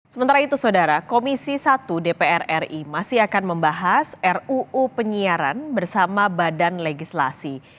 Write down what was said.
sementara itu saudara komisi satu dpr ri masih akan membahas ruu penyiaran bersama badan legislasi